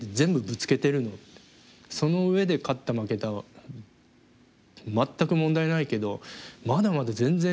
「その上で勝った負けたは全く問題ないけどまだまだ全然みんなできるよ」